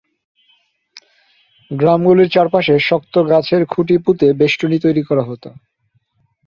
গ্রামগুলির চারপাশে শক্ত গাছের খুঁটি পুঁতে বেষ্টনী তৈরি করা হতো।